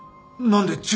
何で？